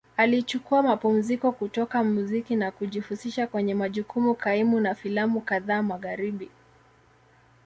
Alichukua mapumziko kutoka muziki na kujihusisha kwenye majukumu kaimu na filamu kadhaa Magharibi.